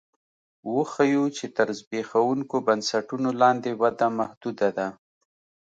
وښیو چې تر زبېښونکو بنسټونو لاندې وده محدوده ده